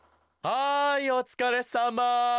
はいおつかれさま。